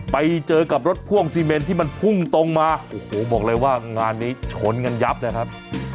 ไปเจอกับรถพ่วงซีเมนที่มันพุ่งตรงมาโอ้โหบอกเลยว่างานนี้ชนกันยับเลยครับ